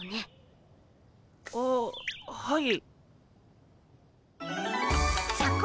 あっはい。